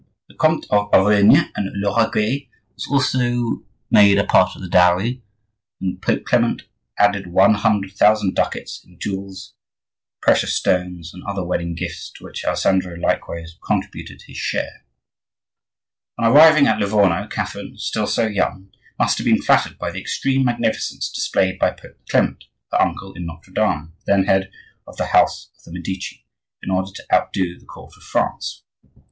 The Comtes of Auvergne and Lauraguais were also made a part of the dowry, and Pope Clement added one hundred thousand ducats in jewels, precious stones, and other wedding gifts; to which Alessandro likewise contributed his share. On arriving at Livorno, Catherine, still so young, must have been flattered by the extreme magnificence displayed by Pope Clement ("her uncle in Notre Dame," then head of the house of the Medici), in order to outdo the court of France.